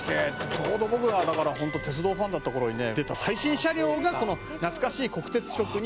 「ちょうど僕がだから本当鉄道ファンだった頃に出た最新車両がこの懐かしい国鉄色に復活塗装されました」